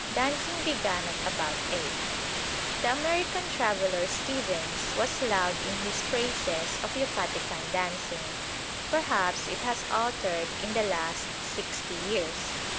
Dancing began at about eight. The American traveller Stephens was loud in his praises of Yucatecan dancing. Perhaps it has altered in the last sixty years.